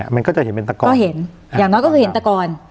มันก็จะเห็นเป็นตะกอนก็เห็นอย่างน้อยก็คือเห็นตะกอน